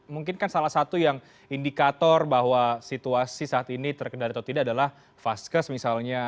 mungkin kan salah satu yang indikator bahwa situasi saat ini terkendali atau tidak adalah vaskes misalnya